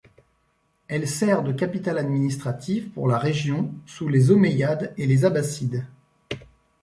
Elle sert de capitale administrative pour la région sous les omeyyades et les abbasides.